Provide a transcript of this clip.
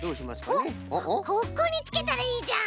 おっここにつけたらいいじゃん。